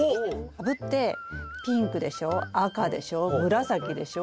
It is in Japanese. カブってピンクでしょ赤でしょ紫でしょ